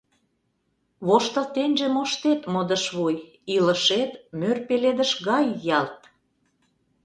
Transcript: Воштылтенже моштет, модышвуй, илышет мӧр пеледыш гай ялт.